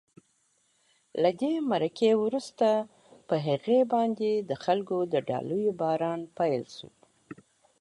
له دې مرکې وروسته په هغې باندې د خلکو د ډالیو باران پیل شو.